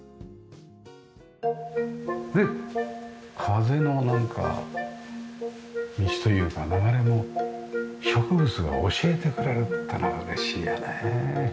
で風のなんか道というか流れも植物が教えてくれるっていうのが嬉しいよね。